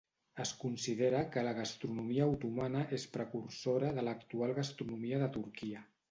Es considera que la gastronomia otomana és precursora de l'actual gastronomia de Turquia.